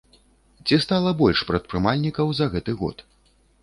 Ці стала больш прадпрымальнікаў за гэты год?